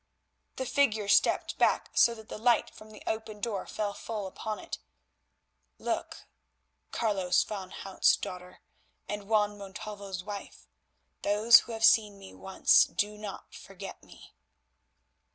The figure stepped back so that the light from the open door fell full upon it. "Look, Carolus van Hout's daughter and Juan Montalvo's wife; those who have seen me once do not forget me."